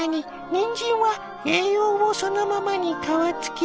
にんじんは栄養をそのままに皮付き。